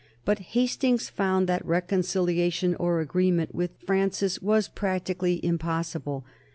But Hastings found that reconciliation or agreement with Francis was practically impossible.